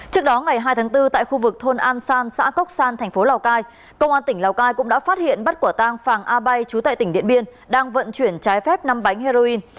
trước đó ngày hai tháng bốn tại khu vực thôn an san xã cốc san thành phố lào cai công an tỉnh lào cai cũng đã phát hiện bắt quả tang phàng a bay chú tại tỉnh điện biên đang vận chuyển trái phép năm bánh heroin